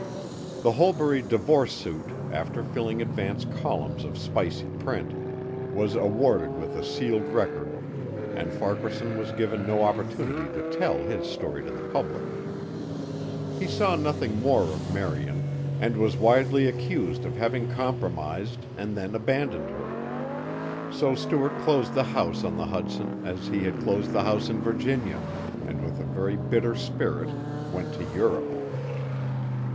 The Holbury divorce suit, after filling advance columns of spicy print, was awarded with a sealed record and Farquaharson was given no opportunity to tell his story to the public. He saw nothing more of Marian and was widely accused of having compromised and then abandoned her. So Stuart closed the house on the Hudson, as he had closed the house in Virginia, and with a very bitter spirit went to Europe.